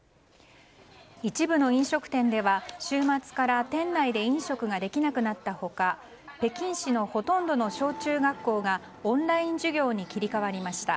一部の飲食店では週末から店内で飲食ができなくなった他北京市のほとんどの小中学校がオンライン授業に切り替わりました。